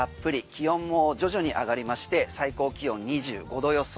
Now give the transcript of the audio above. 気温も徐々に上がりまして最高気温２５度予想。